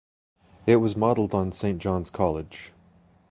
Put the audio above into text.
It was modelled on Saint John's College.